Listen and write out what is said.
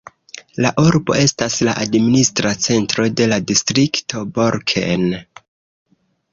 La urbo estas la administra centro de la distrikto Borken.